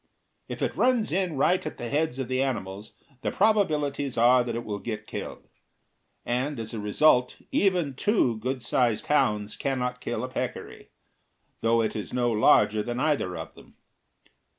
If it runs in right at the heads of the animals, the probabilities are that it will get killed; and, as a rule, even two good sized hounds cannot kill a peccary, though it is no larger than either of them.